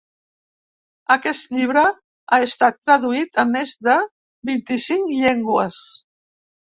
Aquest llibre ha estat traduït a més de vint-i-cinc llengües.